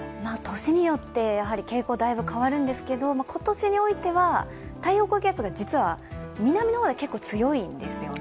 年によって傾向、だいぶ変わるんですけど今年においては、太平洋高気圧、実は南の方が強いんですよね。